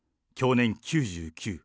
享年９９。